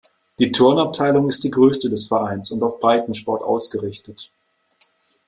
Die Turnabteilung ist die größte des Vereins und auf Breitensport ausgerichtet.